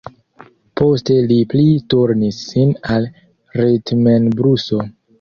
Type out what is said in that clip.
Poste li pli turnis sin al ritmenbluso.